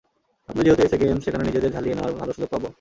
সামনে যেহেতু SA games, এখানে নিজেদের ঝালিয়ে নেওয়ার ভালো সুযোগ পাব।